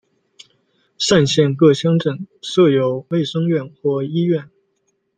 单县各乡镇设有卫生院或医院。